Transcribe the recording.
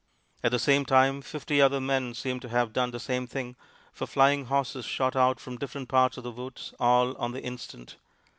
At the same time fifty other men seemed to have done the same thing, for flying horses shot out from different parts of the woods, all on the instant.